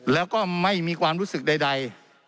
แล้วก็ไม่มีความรู้สึกใด